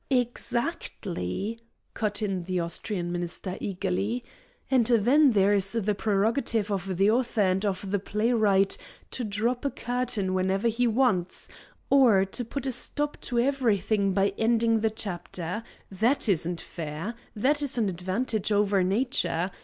"Exactly," cut in the Austrian Minister, eagerly. "And then there is the prerogative of the author and of the playwright to drop a curtain whenever he wants to, or to put a stop to everything by ending the chapter. That isn't fair. That is an advantage over nature.